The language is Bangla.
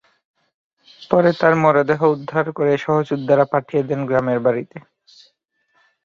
পরে তার মরদেহ উদ্ধার করে সহযোদ্ধারা পাঠিয়ে দেন গ্রামের বাড়িতে।